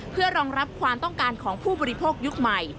เพื่อรองรับความต้องการของผู้บริโภคยุคใหม่